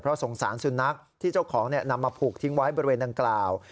สงสารสุนัขที่เจ้าของนำมาผูกทิ้งไว้บริเวณดังกล่าว